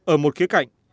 ở một khía cạnh